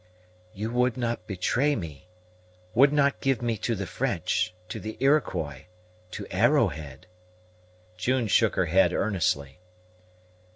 "You would not betray me, would not give me to the French, to the Iroquois, to Arrowhead?" June shook her head earnestly.